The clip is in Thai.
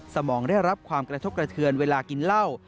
สมองได้รับความกระทบกระเทือนเวลากินเหล้า